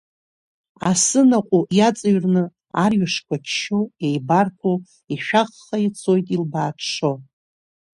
Асы-наҟәу иаҵыҩрны арҩашқәа ччо, еибарԥо, ишәахха ицоит илбааҽҽо.